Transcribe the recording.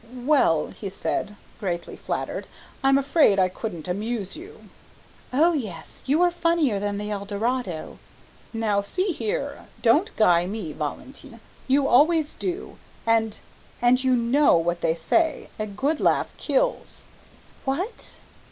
"Well," he said, greatly flattered, "I'm afraid I couldn't amuse you " "Oh, yes, you are funnier than the Eldorado." "Now see here, don't guy me, Valentine. You always do, and, and, you know what they say, a good laugh kills " "What?"